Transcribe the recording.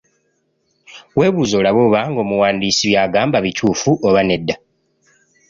Weebuuze olabe oba ng'omuwandiisi by'agamba bituufu oba nedda.